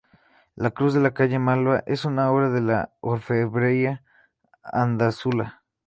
La Cruz de la Calle Malva, es una obra de la orfebrería andaluza.